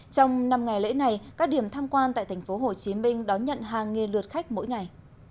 trong năm ngày lễ này các điểm tham quan tại thành phố hồ chí minh đón nhận hàng nghề lượt khách mỗi ngày